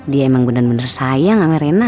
dia emang benar benar sayang sama rena